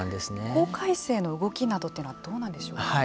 法改正の動きなどというのはどうなんでしょうか。